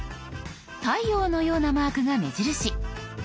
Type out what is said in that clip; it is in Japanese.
太陽のようなマークが目印。